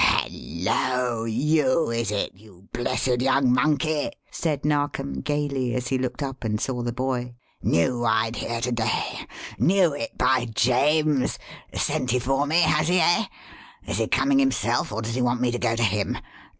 "Hullo! You, is it, you blessed young monkey?" said Narkom gayly, as he looked up and saw the boy. "Knew I'd hear to day knew it, by James! Sent you for me, has he, eh? Is he coming himself or does he want me to go to him?